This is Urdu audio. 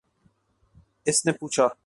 اس نے پوچھا